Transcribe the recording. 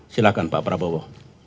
silahkan pak prabowo